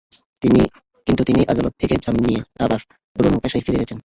কিন্তু তিনি আদালত থেকে জামিন নিয়ে আবার পুরোনো পেশায় ফিরে গেছেন।